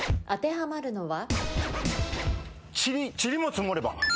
当てはまるのは？